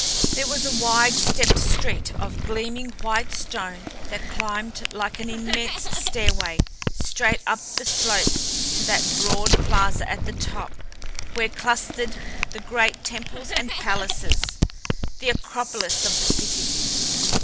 There was a wide, stepped street of gleaming white stone that climbed like an immense stairway straight up the slope to that broad plaza at the top where clustered the great temples and palaces the Acropolis of the city.